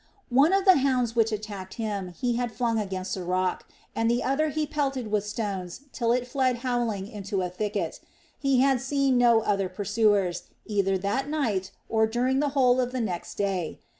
One of the hounds which attacked him he had flung against a rock, and the other he pelted with stones till it fled howling into a thicket. He had seen no other pursuers, either that night, or during the whole of the next day.